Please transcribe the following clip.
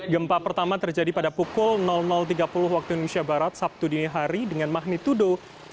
gempa pertama terjadi pada pukul tiga puluh waktu indonesia barat sabtu dini hari dengan magnitudo tiga